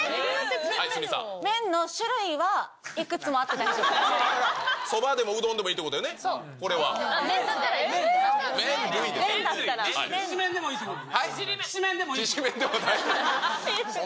麺の種類はいくつもあって大そばでもうどんでもいいといそう。